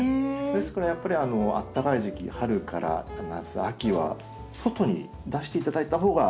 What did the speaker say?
ですからやっぱりあったかい時期春から夏秋は外に出して頂いた方が。